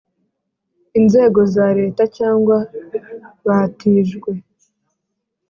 inzego za Leta cyangwa batijwe